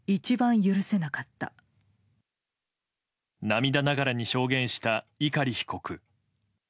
涙ながらに証言した碇被告。